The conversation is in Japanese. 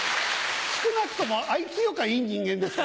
少なくともあいつよかいい人間ですよ。